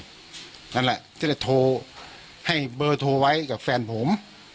นั่นแหละก็เลยโทรให้เบอร์โทรไว้กับแฟนผม